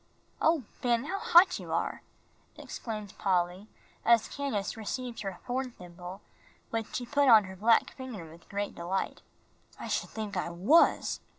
"Oh, Ben, how hot you are!" exclaimed Polly, as Candace received her horn thimble, which she put on her black finger with great delight. "I sh'd think I was.